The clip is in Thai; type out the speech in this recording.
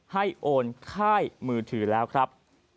โอนค่ายมือถือแล้วครับ